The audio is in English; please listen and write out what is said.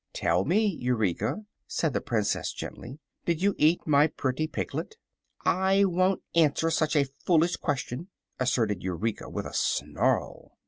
"Tell me, Eureka," said the Princess, gently: "did you eat my pretty piglet?" "I won't answer such a foolish question," asserted Eureka, with a snarl.